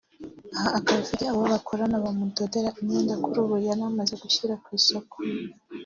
aha akaba afite abo bakorana bamudodera imyenda kuri ubu yanamaze gushyira ku isoko